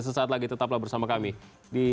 sesaat lagi tetaplah bersama kami di